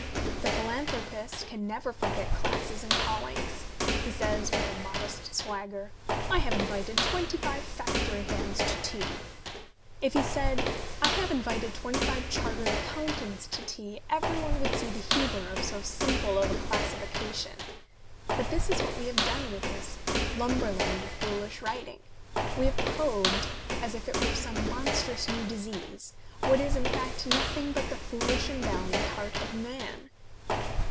The philanthropist can A Defen.ce of Penny Dreadfuls never forget classes and callings. He says, with a modest swagger, " I have invited twenty five factory hands to tea." If he said, " I have invited twenty five chartered accountants to tea," every one would see the humour of so simple a classification. But this is what we have done with this lumberland of foolish writing : we have probed, as if it were some monstrous new disease, what is, in fact, nothing but the foolish and valiant heart of man.